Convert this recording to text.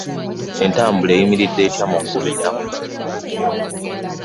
Entambula eyimiridde etya mu kubo enaku zino?